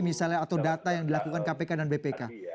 misalnya atau data yang dilakukan kpk dan bpk